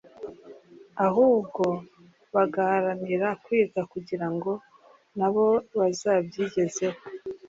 ahubwo bagaharanira kwiga kugira ngo nabo bazabyigezeho